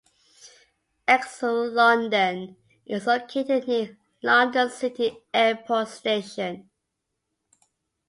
ExCeL London is located near London City Airport station.